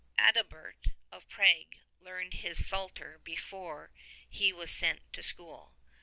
Adalbert of Prague learned his Psalter before he was sent to school.